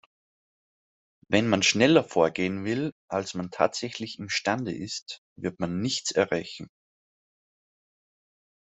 Wenn man schneller vorgehen will, als man tatsächlich imstande ist, wird man nichts erreichen.